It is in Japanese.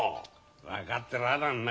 分かってらあなんな